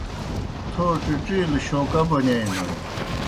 تھو ڇِڇِیلوْ شوکا بونِیائےنوئے۔